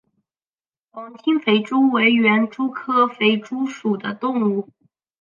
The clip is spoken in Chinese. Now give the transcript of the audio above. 黄金肥蛛为园蛛科肥蛛属的动物。